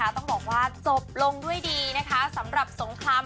ต้องบอกว่าจบลงด้วยดีนะคะสำหรับสงคราม